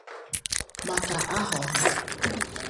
maka ahọ ha